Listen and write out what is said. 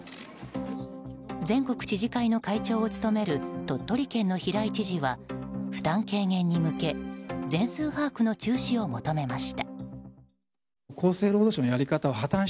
全国知事会の会長を務める鳥取県の平井知事は負担軽減に向け全数把握の中止を求めました。